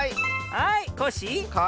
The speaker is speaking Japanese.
はいコッシー。